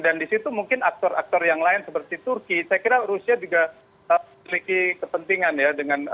dan disitu mungkin aktor aktor yang lain seperti turki saya kira rusia juga memiliki kepentingan ya